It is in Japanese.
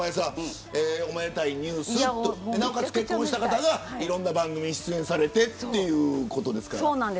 おめでたいニュースとなおかつ結婚した方がいろんな番組に出演されてということですから。